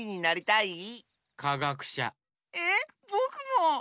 えっぼくも！